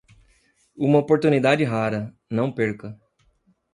Uma oportunidade rara, não perca!